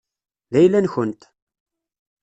D ayla-nkent.